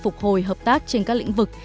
phục hồi hợp tác trên các lĩnh vực